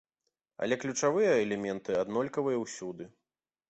Але ключавыя элементы аднолькавыя ўсюды.